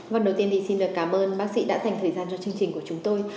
vâng đầu tiên thì xin được cảm ơn bác sĩ đã dành thời gian cho chương trình của chúng tôi